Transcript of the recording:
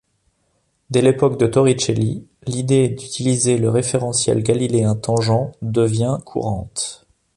Dès l'époque de Torricelli, l'idée d'utiliser le référentiel galiléen tangent devient courante.